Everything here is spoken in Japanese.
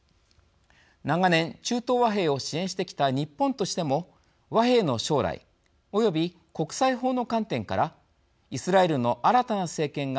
長年、中東和平を支援してきた日本としても和平の将来、および国際法の観点からイスラエルの新たな政権が